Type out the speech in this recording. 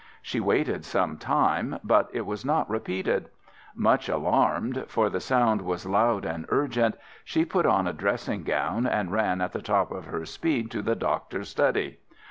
She waited some time, but it was not repeated. Much alarmed, for the sound was loud and urgent, she put on a dressing gown, and ran at the top of her speed to the doctor's study.